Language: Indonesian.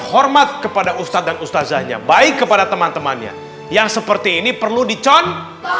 hormat kepada ustadz dan ustazahnya baik kepada teman temannya yang seperti ini perlu dicon